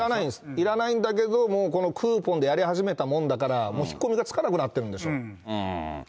いらないんだけども、このクーポンでやり始めたもんだから、もう引っ込みがつかなくなってるんでしょう。